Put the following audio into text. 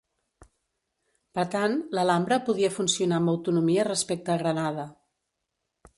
Per tant, l'Alhambra podia funcionar amb autonomia respecte a Granada.